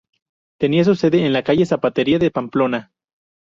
Tenía su sede en la calle Zapatería de Pamplona.